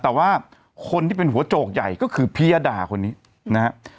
แต่ว่าคนที่เป็นหัวโจกใหญ่ก็คือพิยดาคนนี้นะฮะ